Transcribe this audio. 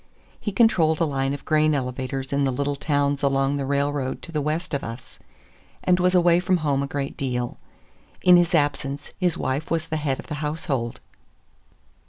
He controlled a line of grain elevators in the little towns along the railroad to the west of us, and was away from home a great deal. In his absence his wife was the head of the household.